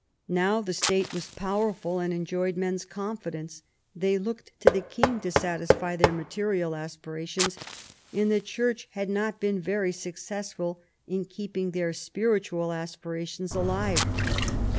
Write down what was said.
Now the State was powerful and enjoyed men's confidence ; they looked to the king to satisfy their material aspirations, and the Church had not been very successful in keeping their spiritual aspirations alive.